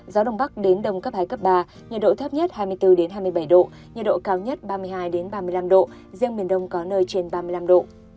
gió đông bắc đến đông cấp hai cấp ba nhiệt độ thấp nhất hai mươi bốn hai mươi bảy độ nhiệt độ cao nhất ba mươi hai ba mươi năm độ riêng miền đông có nơi trên ba mươi năm độ